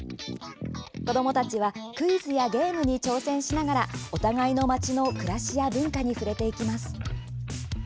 子どもたちはクイズやゲームに挑戦しながらお互いの街の暮らしや文化に触れていきます。